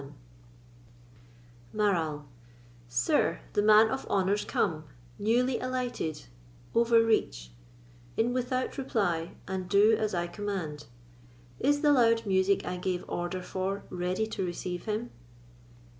Marall: Sir, the man of honour's come, Newly alighted—— Overreach: In without reply, And do as I command.... Is the loud music I gave order for Ready to receive him?